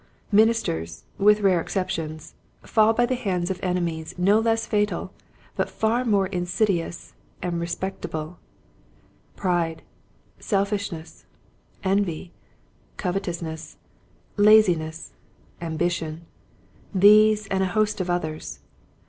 Ministers, with rare excep tions, fall by the hands of enemies no less fatal but far more insidious and respectable, pride, selfishness, envy, covetousness, lazi ness, ambition, these and a host of others.